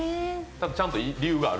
ちゃんと理由がある。